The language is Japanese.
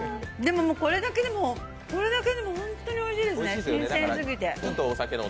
でも、これだけでも本当においしいですね、新鮮すぎて。